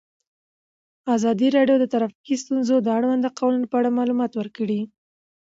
ازادي راډیو د ټرافیکي ستونزې د اړونده قوانینو په اړه معلومات ورکړي.